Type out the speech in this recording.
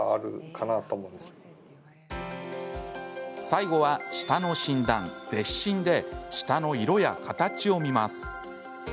最後は、舌の診断舌診で舌の色や形を診ます。